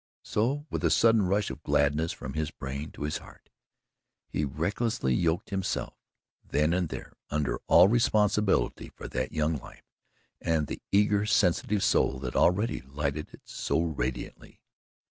So, with a sudden rush of gladness from his brain to his heart, he recklessly yoked himself, then and there, under all responsibility for that young life and the eager, sensitive soul that already lighted it so radiantly.